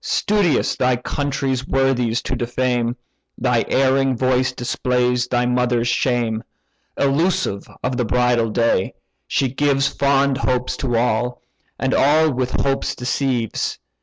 Studious thy country's worthies to defame, Thy erring voice displays thy mother's shame. Elusive of the bridal day, she gives Fond hopes to all, and all with hopes deceives.